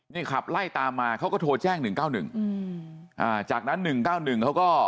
นี่ขับไล่ตามมาเขาก็โทรแจ้งหนึ่งเก้าหนึ่งอืมอ่าจากนั้นหนึ่งเก้าหนึ่งเขาก็